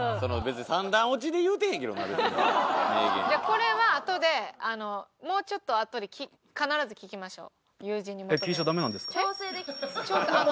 これはあとでもうちょっとあとで必ず聞きましょう。